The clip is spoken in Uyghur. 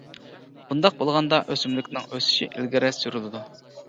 بۇنداق بولغاندا ئۆسۈملۈكنىڭ ئۆسۈشى ئىلگىرى سۈرۈلىدۇ.